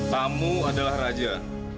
tamu adalah raja